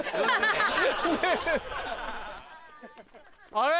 あれ？